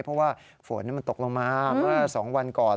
เพราะว่าฝนมันตกลงมาเมื่อ๒วันก่อน